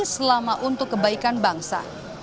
selama untuk kebaikan bangsa